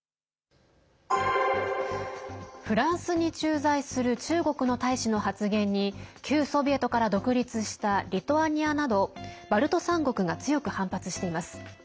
フランスに駐在する中国の大使の発言に旧ソビエトから独立したリトアニアなどバルト３国が強く反発しています。